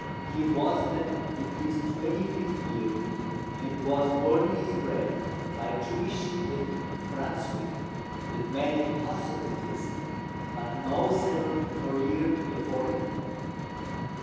He was then in his twenty fifth year, and was earning his bread by tuition at Brunswick, with many possibilities, but no settled career before him.